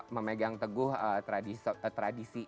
memegang teguh tradisi